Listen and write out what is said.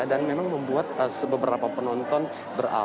dan memang membuat beberapa penonton beralih